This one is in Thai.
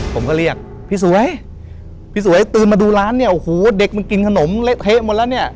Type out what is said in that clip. ผมก็เรียกพี่สวยพี่สวยตื่นมาดูร้านเนี่ยโอ้โหเด็กมันกินขนมเละเทะหมดแล้วเนี่ย